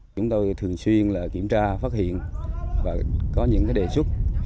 chúng tôi thường xuyên kiểm tra phát hiện và có những đề xuất